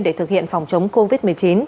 để thực hiện phòng chống covid